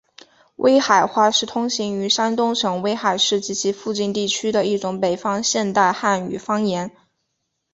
威海话是通行于山东省威海市及其附近地区的一种北方现代汉语方言。